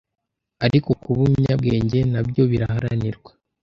ariko kuba umunyabwenge nabyo biraharanirwa